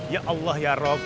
ya allah ya rob